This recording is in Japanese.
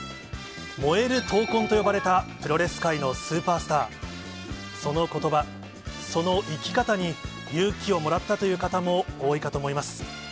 燃える闘魂と呼ばれた、プロレス界のスーパースター、そのことば、その生き方に、勇気をもらったという方も多いかと思います。